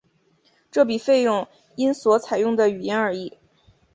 这笔费用因所采用的语言而异。